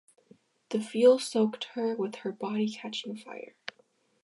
The fuel soaked her, with her body catching fire.